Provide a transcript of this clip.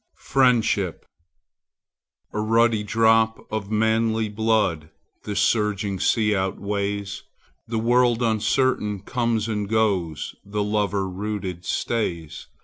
FRIENDSHIP A ruddy drop of manly blood The surging sea outweighs; The world uncertain comes and goes, The lover rooted stays.